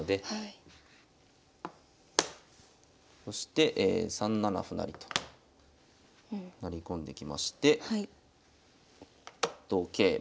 そして３七歩成と成り込んできまして同桂。